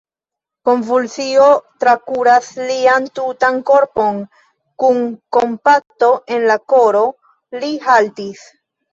Konvulsio trakuris lian tutan korpon: kun kompato en la koro, li haltis.